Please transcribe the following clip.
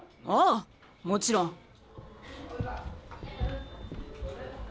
ああもちろん。